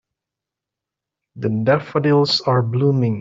The daffodils are blooming.